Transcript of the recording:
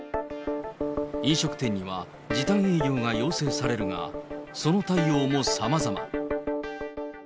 飲食店には時短営業が要請されるが、その対応もさまざま。